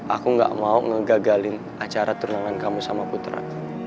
aku gak mau ngegagalin acara turnamen kamu sama putra